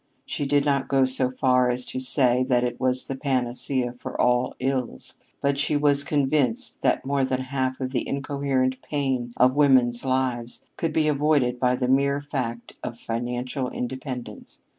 She did not go so far as to say that it was the panacea for all ills, but she was convinced that more than half of the incoherent pain of women's lives could be avoided by the mere fact of financial independence.